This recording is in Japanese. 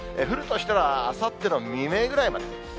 降るとしたら、あさっての未明ぐらいまで。